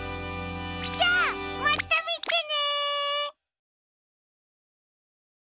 じゃあまたみてね！